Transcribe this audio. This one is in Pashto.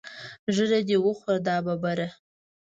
ږیره دې وخوره دا ببره.